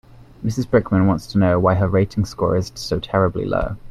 Mrs Brickman wants to know why her rating score is so terribly low.